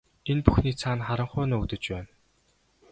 Энэ бүхний цаана харанхуй нуугдаж байна.